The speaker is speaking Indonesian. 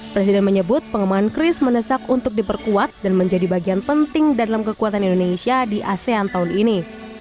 presiden menyebut pengembangan kris menesak untuk diperkuat dan menjadi bagian penting dalam kekuatan indonesia di asean tahun ini